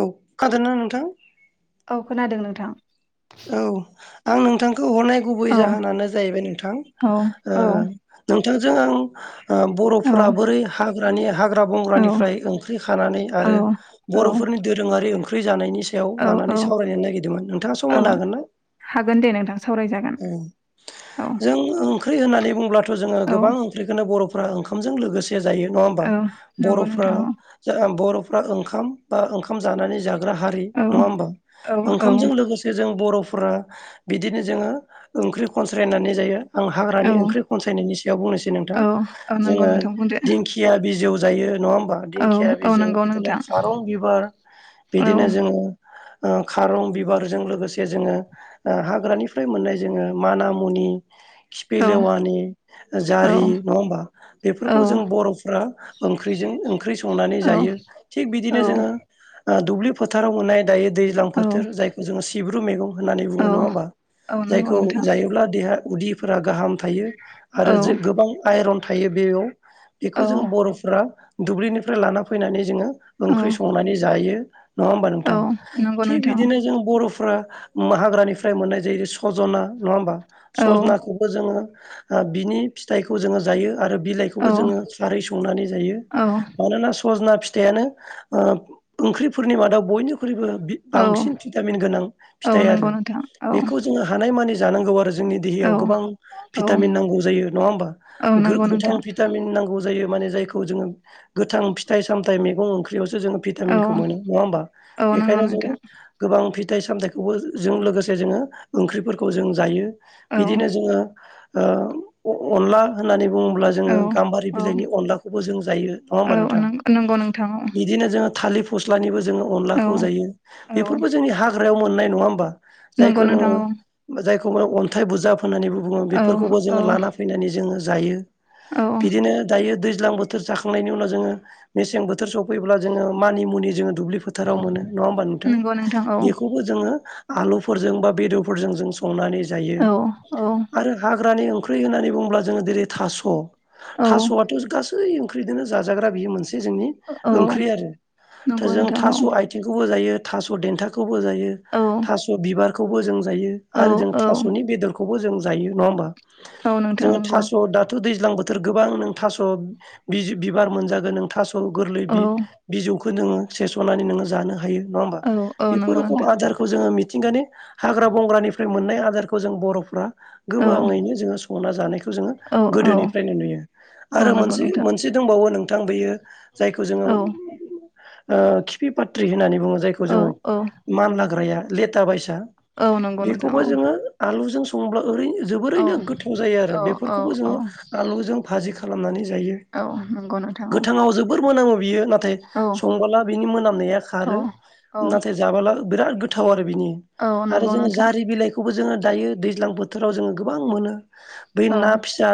औ खाजोननो नोंथां? औ खोनादों नोंथां। औ आं नोंथां हरनाय गुबै औ जाहोनानो जाहैबाय नोंथां, औ ओ औ नोंथांजों आं ओ औ बर'फोरा बोरै हाग्रानि हाग्रा हाबाग्रा औ बंग्रानिफ्राय ओंख्रि खानानै आरो औ बर'फोरनि दोरोङारि ओंख्रि जानायनि सायाव औ लानानै औ सावरायनो नागिरदोंमोन नोंथाङा सम औ होनो हागोन ना? हागोन दे नोंथां सावरायजागोन। औ औ जों ओंख्रि होननानै बुंब्लाथ' जोंङो औ गोबां ओंख्रिखौनो बर'फोरा ओंखामजों लोगोसे जायो नङा होमबा? औ नंगौ बर'फ्रा नोंथां जा बर' फ्रा ओंखाम बा ओंखाम जानानै जाग्रा हारि औ नङा होमबा? औ ओंखामजों औ लोगोसे जों बर'फोरा बिदिनो जोंङो ओंख्रि खनस्रायनानै जायो। आं हाग्रानि औ ओंख्रि खनसायनायनि सायाव बुंनोसै नोंथां, औ औ नंगौ जोंङो नोंथां बुंदो दिंखिया बिजौ जायो नङा होमबा? औ दिंखिया औ बिजजों नंगौ बिदिनो नोंथां खारं बिबार औ बिदिनो जोंङो ओ खारं बिबार जों लोगोसे जोंङो ओ हाग्रानिफ्राय मोननाय जोंङो माना मुनि औ खिफिलेवानि औ जारि नङा होमबा औ बेफोरखौ जों बरफ्रा ओंख्रिजों ओंख्रि संनानै जायो, थिग औ बिदिनो जोंङो ओ दुब्लि फोथाराव मोननाय दायो दैज्लां फोथोर औ जायखौ जोंङो सिब्रु मैगं होननानै बुङो औ नङा होमबा? औ नंगौ जायखौ नोंथां जायोब्ला देहा उदिफोरा गाहाम थायो, औ आरो गोबां आइरन थायो बेयाव औ बेखौ जों बर'फ्रा दुब्लिनिफ्राय लाना फैनानै जोंङो औ ओंख्रि संनानै जायो। नङा होमबा औ नोंथां? नंगौ थिग नोंथां बिदिनो जों उफ्रा हाग्रानिफ्राय मोननाय जायो सजना नङा होमबा औ सजनाखौबो जोंङो ओ बिनि फिथाइखौ जोंङो जायो। आरो औ बिलाइखौबो जोंङो खारै संनानै जायो। औ मानोना सजना फि फिथायानो ओ ओंख्रिफोरनि मादाव बयनिख्रुइबो औ बांसिन भिटामिन गोनां औ फिथाइ नंगौ आरो, नोंथां औ बेखौ जोंङो हानाय मानि जानांगौ आरो जों जोंनि देहायाव गोबां औ औ भिटामिन नांगौ जायो नङा होमबा औ नंगौ गोथां नोंथां भिटामिन नांगौ जायो माने जायखौ जोंङो गोथां फिथाइ सामथाइ मैगं ओंख्रियावसो जोंङो औ भिटामिनखौ मोनो नङा होमबा औ नंगौ बेखायनो जोंङो नोंथां आं फिथाइ सामथायाइखौबो जों लोगोसे जोंङो ओंख्रिफोरखौ जों जायो। औ बिदिनो जोंङो ओ अनला होननानै बुङोब्ला जोंङो औ गाम्बारि औ बिलाइनि अनलाखौबो जों जायो नङा होमबा औ नोंथां? नंगौ नोंथां बिदिनो जोंङो थालिर फस्लानिबो जोंङो औ अनलाखौ जायो औ बेफोरबो जोंनि हाग्रायाव मोननाय नङा होमबा? नंगौ जायखौ नोंथां औ नोंङो जायखौ अन्थाइ बुजाब होननानै बुङो बेफोरखौबो औ जोंङो लाना फैनानै जोंङो जायो। औ बिदिनो दायो दै दैज्लां बोथोर जाखांनायनि उनाव जोंङो मेसें बोथोर सफैब्ला जोंङो मानि मुनि जोंङो दुब्लि फोथाराव मोनो नङा होमबा नोंथां? नंगौ नोंथां औ बेखौबो जोंङो आलुफोरजों बा बेदरफोरजों जों संनानै जायो। औ औ आरो हाग्रानि ओंख्रि होननानै बुङोब्ला जोंङो जेरै थास' औ थास'आथ गासै ओंख्रिजोंनो जाजाग्रा बियो मोनसे जोंनि औ ओंख्रि आरो नंगौ जों नोंथां औ थास' आथिंखौबो जायो थास' देनथाखौ बो जायो औ थास' बिबारखौबो जों जायो औ आरो जों औ थासनि बेदरखौ खौबो जों जायो नङा होमबा? औ नोंथां जोंङो नंगौ थास दाथ दैज्लां बोथ थोर गोबां नों थास' बिबार मोनजागोन नों थास' गोरलै औ बिजौखौ बो नोंङो सेसनानै नोंङो जानो हायो नङा होमबा? औ औ बेफोर नंगौ रोखम नोंथां आदारखौ जोंङो मि मिथिंगानि हाग्रा बंग्रानिफ्राय मोननाय आदारखौ जों बरफ्रा औ गोबाङैनो जोंङो संना जानायखौ खौ जोंङो औ औ गोदोनिफ्रायनो नुयो औ आरो नंगौ मोनसे नोंथां मोनसे दंबावो नोंथां बेयो जायखौ जोंङो औ खिफि पात्रि होननानै बुङो औ जोंङो औ मानलाग्राया लेथाबायसा औ नंगौ नोंथां बेखौबो जोंङो आलुजों सं संब्ला ओरैनो औ जोबोरैनो गोथाव जायो आरो औ औ औ बेफोरखौबो जोंङो आलुजों भाजि खालामनानै जायो औ नंगौ नोंथां गोथाङाव जोबोर मोनामो बियो नाथाय औ संबोला बिनि मोनामनाया औ खारो औ नाथाय जाबोला बिराद गोथाव आरो बिनि औ आरो नंगौ जोंङो नोंथां जारि बिलाइखौबो जोंङो दायो दैज्लां बोथोराव जोंङो गोबां मोनो बै औ ना फिसा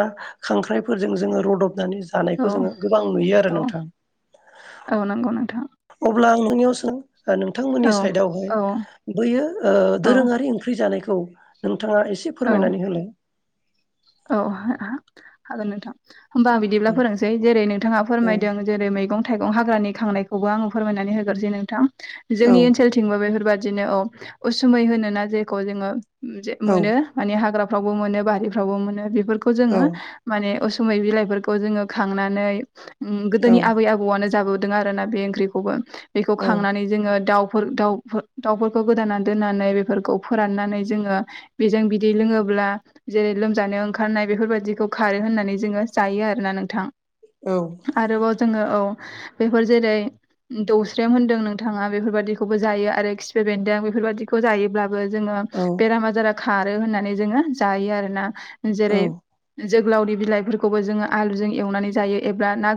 खांख्राइफोरजों जोङो रडब नानै औ जानायखौ जोंङो गोबां नुयो आरो औ नोंथां। औ नंगौ नोंथां अब्ला आं नोंनियाव सों नोंथांमोननि औ साइदआवहाय औ बैयो औ दोरोंङारि ओंख्रि जानायखौ खौ नोंथाङा एसे फोरमायनानै होलाय औ हागोन नोंथां। होमबा आं बिदिब्ला फोरोंसै जेरै नोंथाङा औ फोरमायदों जेरै मैगं मं हाग्रानि खांनायखौबो आंङो फोरमायनानै होग्रोन जे नोंथां जोंनि ओनसोलथिंबो बेफोरबाय बिदिनो औ उसुमै होनो ना जेखौ जोंङो औ मोनो माने हाग्राफ्रावबो मोनो बारिफ्र वबो मोनो बेफोरखौ औ जोङो माने उसुमै बिलाइफोरखौ जोंङो खांनानै औ गोदोनि आबै आबौआनो जाबोदों आर ना बे ओंख्रिखौबो बेखौ औ खांनानै जोङो दाउ दउफोरखौ गोदा दोननानै बेफोरखौ फोरनानै जो बेजों बिदि लोब अब्ला जेरै लोमजानायाव ओंखारनाय बेफोरबायाददिखौ खारो होननानै जोङो जायो आरोना नोंथां औ आरोबाव जोङो औ बेफोर जेरै दौस्रेम होन्दों नोंथाङा बेफोरबायाददिखौबो जायो आरो खिफ बेन्दों बेफोरबायाददिखौ जायोब्लाबो जोङो बेराम आजारा खारो होननानै जोङ जोना औ जेरै जोगोलावनि बिलाइफोरखौबो जोंङो आलुजों एवनानै जायो एबा ना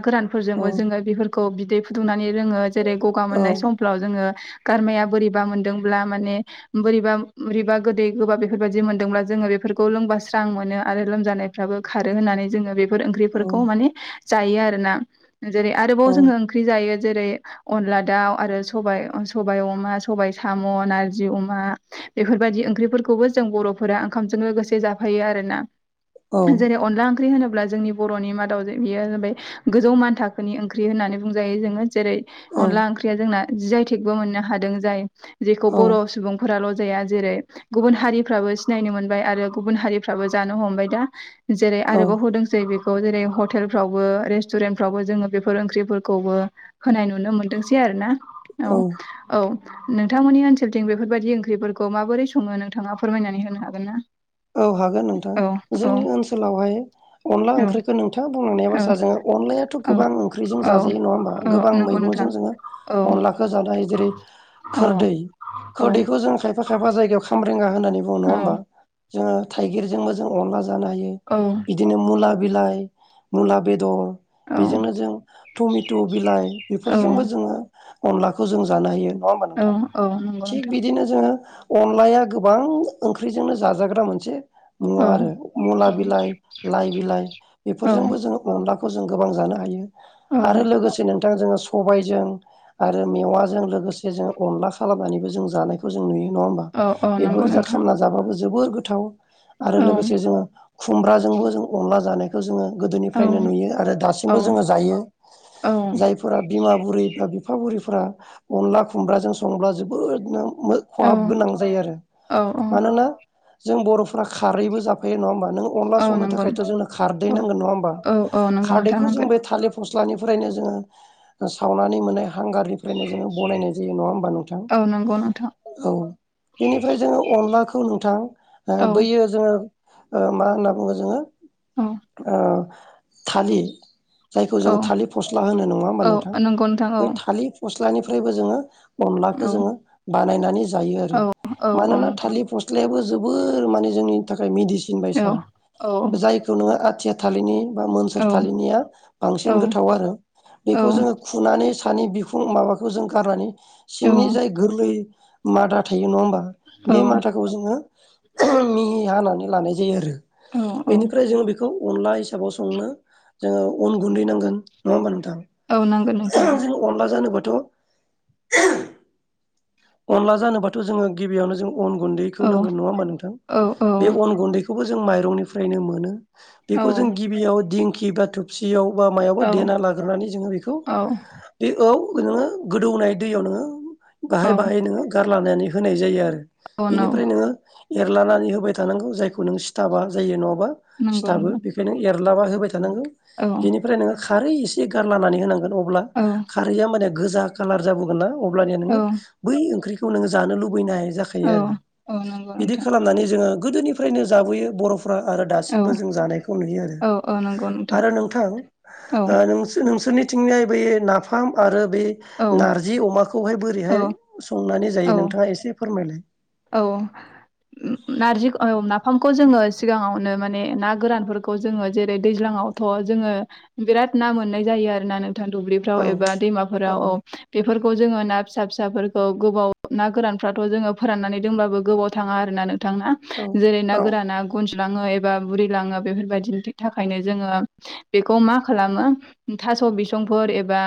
औ गोरानफोरजोंबो जोंङो बे बिदै फुदुंनानै रोंङो जेरै गगा मोननाय समफ्राव जोङो गारमाया बोरैबा मोनदोंब्ला माने बोरैबा बोरैबा गोदै गोबाब बेफोरबायाददि मोनदोंब्ला जोंङो बे लोंबा सां मोनो आरो लोमजानायफ्राबो खारो होननानै जोंङो बेफोर ओंख्रिफोरखौ माने जायो आरोना जेरै आरोबाव औ जोङो ओंख्रि जायो। जेरै अनला दाउ आरो स सबाय अमा सबाय साम' नारजि अमा बेफोरबायदि ओंख्रिफोरखौबो जों बर'फोरा ओंखामजों लोगोसे जा आरोना जेरै अनला ओं होनोबा अब्ला जोंनि बर'नि मादाव बेयो जाबाय गोजौ मान थाखोनि ओंख्रि होननानै बुंजायो जोङो जेरै अनला ओंख्रिया जोंना जि जाय थेकबो मोननो हादों जाय जेखौ बर' सुबुंफोराल' जेरै गुबुन हारिफ्राबो सिनायनो मोनबाय आरो गुबुन हारिफ्राबो जानो हमबाय दा जेरै औ आरोबाव होदोंसै बे खौ जेरै हटेलफ्रावबो रेस्टुरेन्ट फ्रावबो जोङो बेफोर ओंख्रिफोरखौबो होनाय नुनो मोनदोंसै आरो ना औ औ। नोंथांमोननि ओनसोलथिं बेफोरबायदि ओंख्रिफोरखौ माबोरै संङो नोंथाङा फोरमायनानै होनो हागोन ना? औ हागोन नोंथां औ औ जोंनि ओनसोलावहाय अनला औ ओंख्रिखौ नोंथाङा बुंनांनायाबा औ जोङो अनलायाथ' औ गोबां ओंख्रिजों औ जाजायो नङा होनबा औ गोबां‌ नंगौ मेगं- नोंथां जोंङो औ अनलाखौ जानाय जेरै औ खोरदै औ खोरदैखौ जों खायफा खायफा जायगायाव खाम होन्नानै बुङो नङा‌ औ होनबा? जोंङो थाइगिरजोंबो अनला जानो हायो औ बिदिनो मुला बिलाइ मुला बेदर बेजोंनो जों टमेट' बिलाइ औ बेफोरजोंबो जोंङो अनलाखौ जों जानो हयो नङा होमबा औ नोंथां औ नंगौ थिग नोंथां बिदिनो जोंङो अनलाया गोबां ओंख्रिजोंनो जाजाग्रा मोनसे नुवा औ आरो मुला औ बिलाइ लाइ बिलाइ औ बेफोरजोंबो जोङो अनला जों गोबां जानो हायो औ आरो लोगोसे बिथां जोङो सबायजों आरो मेवाजों लोगोसे जों अनला खालामनानैबो जों जानायखौ जों नुयो। नङा होमबा औ औ बेफोर नंगौ रोजा नोंथां खामना जाबाबो जोबोर गोथाव आरो औ लोगोसे जोङो खुमब्राजोंबो जों अनला जानायखौ जोङो औ गोदोनिफ्रायनो नुयो आरो औ दासिमबो जोङो जायो। जायफोरा बिमा बुरै बा बिफा बुरैफोरा अनला खुमब्राजों संब्ला जोबोदनो खहाब गोनां जायो आरो औ मानोना जों बर'फोरा खारैबो जाफायो नङा होमबा? नों अनला औ संनो नंगौ थाखायथ' नोंथां जोंनो खारदै औ नांगोन नङा होमबा औ औ नंगौ नोंथां खारदैखौ जों नांगोन बे थालिर सिख्लानिफ्रायनो जोङो सावनानै मोननाय हांगारनिफ्रायनो जोङो बनायनाय जायो नङा होमबा नोंथां? औ नंगौ नोंथां औ बेनिफ्राय जोङो अनलाखौ नु औ बैयो जोङो मा होनना बुङो जोङो औ थालिर जायखौ जोङो थालिर फस्ला होनो नङा होमबा औ नोंथां नंगौ नोंथां औ बै थालिर फस अनलाखौ औ जोङो बानायनानै जायो आरो औ औ औ मानोना नोंथां थालिर फस्ला जोबोर माने जोंनि थाखाय मेडिसिन औ बायदिसा औ जायखौ नोङो आथिया थालिरनि औ बामोनसोरनिया बांसिन गोथिवसिन जायो बेखौ जोंङो फिसानि बिखुं माबाखौ जों गारनानै सिंनि जाय गोरलै मादा थायो नङा होमबा। औ। बे मादाखौ जोङो मिहि हानानै लानाय जायो आरो औ औ बेनिफ्राय जों बिखौ अनला संनो जोङो अन गुन्दै नांगोन नङा औ नांगोन नोंथां होमबा। जों अनला जानोबाथ' अनला जानोबाथ' जोङो गिबियावनो जों अन गुन्दैखौ औ नांगोन नङा होमबा नोंथां औ बे अन गुन्दैखौ खौबो जों माइरंनिफ्रायनो मोनो औ बेखौ जों गिबियाव दिंखि बा थबसियाव बा मायावा औ देना लाग्रोनानै जोङो बेखौ औ बे औ नोङो गोदौनाय दैयाव नोङो औ बाहाय बाहाय नोङो गारलानानै होनाय जायो आरो। औ नौ बेनिफ्राय नोङो एरलानानै होबाय थानांगौ जायखौ नों सिथाबा जायो नङा नंगौ सिथाबो नोंथां बेखायनो एरलाना होबाय थानांगौ औ बेनिफ्राय नोङो। खारै एसे गारलानानै होनांगोन अब्ला औ खारैआ माने गोजा कालार जाबोगोन ना। अब्लानिया औ नोङो बै ओंख्रिखौ नोङो जानो लुबैनाय। जायो औ आरो औ नंगौ बिदि नोंथां खालामनानै जोङो गोदोनिफ्रायनो जाबोयो बर' फ्रा आरो औ दासिमबो जों जानायखौ नुयो आरो। औ औ नंगौ आरो नोंथां। औ नोंसोरनिथिंजाय बे नाफाम आरो बे औ नारजि अमाखौहाय औ बोरैहाय संनानै जायो नोंथाङा एसे फोरमायलाय। औ। नारजि नाफामखौ जोङो सिगाङावनो माने ना गोरानफोरखौ जोङो जेरै दैज्लां थ' जोङो बिराद ना मोननाय जायो आरोना। दुब्लिफोराव औ एबा औ दैमाफोराव बेफोरखौ बेखौ जोङो ना फिसा फिसाफोरखौ गोबाव ना गोरानफ्राथ' जोङो फोराननानै दोनब्लाबो गोबाव थाङा आरोना औ जेरै ना औ गोराना [inaudible] थास' बिसंफोर एबा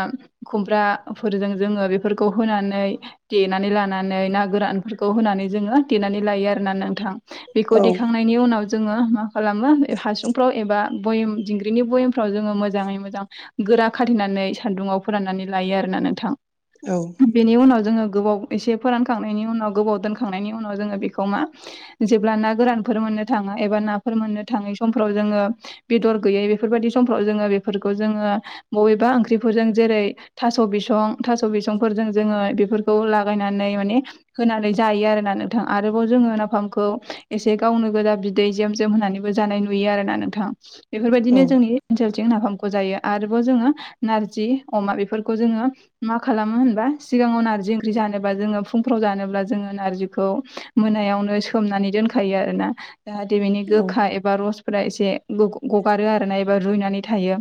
खुमब्राफोरजों जोङो बेफोरखौ होनानै देनानै लानानै ना गोरान होनानै जोङो देनानै लायो आरोना नोंथां बेखौ औ देखांनायनि उनाव जोङो खालामो हासुंफ्राव एबा बयेम दिंग्रिनि बयेमफ्राव जोङो मोजाङै मोजां गोरा खाथेनानै सान्दुङाव फोराननानै लायो आरो। नोंथां औ बेनि उनाव जोङो गोबाव एसे फोरानखांनायनि उनाव। गोबाव दोनखांनायनि उनाव जोङो बेखौ मा जेब्ला ना गोरानफोर मोननो थाङो एबा नाफोर मोननो थाङो। समफोराव जोङो बेदर गैयै बेफोर बायदि समाव जोङो बेफोरखौ जोङो अबेबा ओंख्रि जेरै थास' बिसं थास' बिसंफोरजों जोङो बेफोरखौ लागायनानै माने होनानै जायो आरोना नोंथां आरोबाव जोङो नाफामखौ एसे गावनो गोजा बिदै जेम जेम होननानैबो जानाय नुयो आरोना नोंथां बेफोरबायदिनो औ जोंनि ओनसोल नाफामखौ जायो आरोबाव जोङो नारजि अमा बेफोरखौ जोङो मा खालामो होना सिगाङाव नारजि ओंख्रि जानोबा जों फुंफ्राव जानोबा अब्ला जोङो नारजिखौ मोनायावनो सोमनानै दोनखायो आरोना जाहाथे बेनि औ गोखा एबा रसफोरा एसे गगारो आरोना एबा रुइनानै थायो।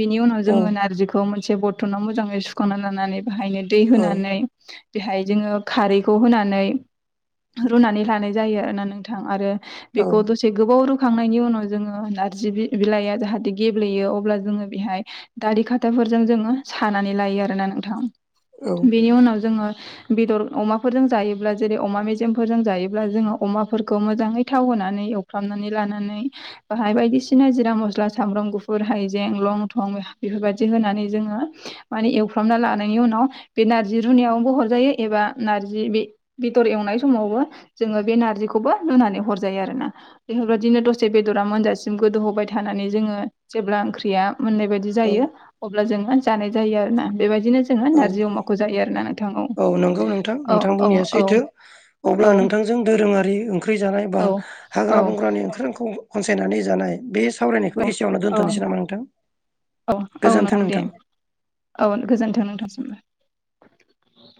बिनि उनाव औ जोङो नारजिखौ मोनसे बथनाव मोजाङै सुखांना लानानै बेहायनो दै होनानै बेहाय जोङो खारै खौ होनानै रुनानै लानाय जायो नोंथां आरो बेखौ दसे गोबाव रु खांनायनि उनाव जोङो नारजि बिलाइया जाहाथे गेब्लेयो अब्ला जोङो बेहाय दालि खाथा फोरजों जोङो सानानै लायो आरोना नोंथां औ बिनि उनाव जोङो बेदर अमा फोरजों जायोब्ला जेरै अमा मेजेमफोरजों जायोब्ला जोङो अमाफोरखौ मोजाङै थाव होनानै एवफ्रामनानै ला‌ होनानै बाहाय बायदिसिना जिरा मस्ला सामब्राम गुफुर हायजें लं थं बेफोर बायदि होना नै जोङो माने एवफ्रना लानायनि उनाव बे नारजि रुनायबो हरजायो एबा नारजि बे बेदर एवनाय समावबो जोङो बे नारजिखौबो रुनानै हर जायो आरोना बेफोरबायदि बिदिनो दसे बेदरा मोनजासिम गोदौहोबाय थानानै जोङो जेब्ला ओंख्रिया मोननाय बायदि औ जायो अब्ला जोङो जानाय जायो आरोना बेबायदिनो जोङो औ नारजि अमाखौ जायो आरोना नोंथां। औ नोंगौ नोंथां। औ नोंथां औ बुंनाया औ सैथो अब्ला औ नोंथांजों दोरोङारि [unintelligible] जानाय बा औ औ हाग्रा बंग्रानि ओंख्रिं खनसायनानै जानाय बे सावरायनायखौ एसेयावनो औ दोन्थ'नोसै नामा नोंथां? औ औ गोजोनथों दे नोंथां। औ गोजोन्थों नोंथांसिमबो।